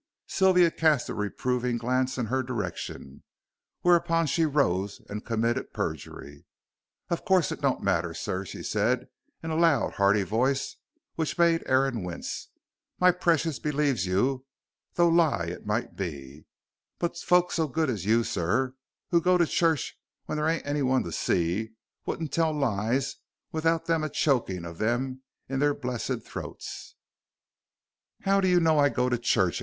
Sylvia cast a reproving glance in her direction, whereupon she rose and committed perjury. "Of course it don't matter, sir," she said in a loud, hearty voice which made Aaron wince. "My precious believes you, though lie it might be. But folk so good as you, sir, who go to church when there ain't anyone to see, wouldn't tell lies without them a choking of them in their blessed throats." "How do you know I go to church?"